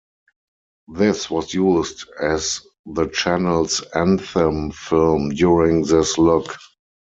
This was used as the channel's anthem film during this look.